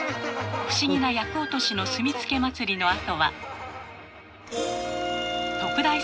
不思議な厄落としの炭つけ祭りのあとは。